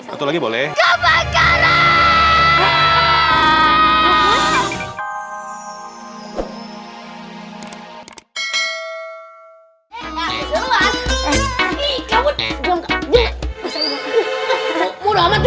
satu lagi boleh